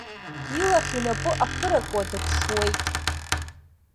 Илахь инапы аԥыракуа дыԥшуеит.